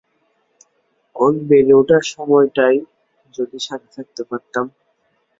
ওর বেড়ে উঠার সময়টায় যদি সাথে থাকতে পারতাম!